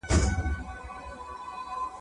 له بل وي ورکه د مرګي چاره ,